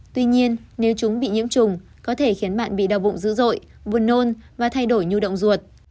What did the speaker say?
tuy nhiên nếu chúng bị nhiễm trùng có thể khiến bạn bị đau bụng dữ dội buồn nôn và thay đổi nhu động ruột